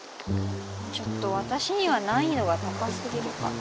ちょっと私には難易度が高すぎるかな。